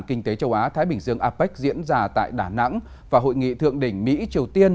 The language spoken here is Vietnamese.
kinh tế châu á thái bình dương apec diễn ra tại đà nẵng và hội nghị thượng đỉnh mỹ triều tiên